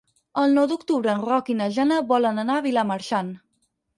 El nou d'octubre en Roc i na Jana volen anar a Vilamarxant.